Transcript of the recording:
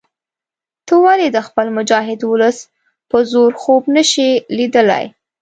ته ولې د خپل مجاهد ولس په زور خوب نه شې لیدلای.